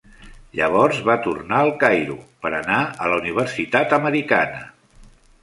Llavors va tornar al Cairo per anar a la Universitat Americana.